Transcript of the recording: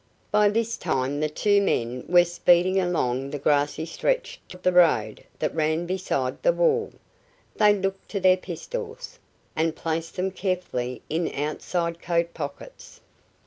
By this time the two men were speeding along the grassy stretch toward the road that ran beside the wall. They looked to their pistols, and placed them carefully in outside coat pockets.